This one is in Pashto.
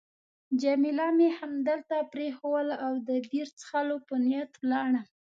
جميله مې همدلته پرېښووله او د بیر څښلو په نیت ولاړم.